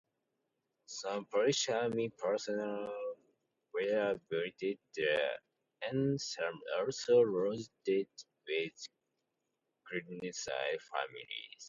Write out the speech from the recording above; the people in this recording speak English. Some Polish army personnel were billeted there and some also lodged with Chirnside families.